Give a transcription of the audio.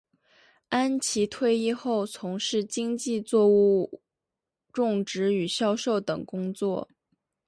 安琦退役后从事经济作物种植与销售等工作。